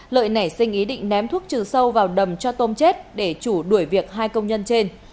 lợi nảy sinh ý định ném thuốc trừ sâu vào đầm cho tôm chết để chủ đuổi việc hai công nhân trên